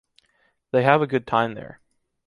They have a good time there.